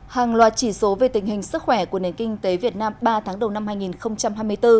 hàng loạt chỉ số về tình hình sức khỏe của nền kinh tế việt nam ba tháng đầu năm hai nghìn hai mươi bốn